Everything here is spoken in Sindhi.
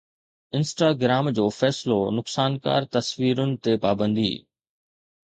انسٽاگرام جو فيصلو نقصانڪار تصويرن تي پابندي